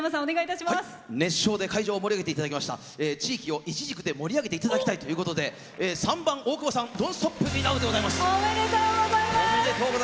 熱唱で会場を盛り上げていただきました地域をいちじくで盛り上げていただきたいということで３番、おおくぼさん「ＤＯＮ’ＴＳＴＯＰＭＥＮＯＷ」。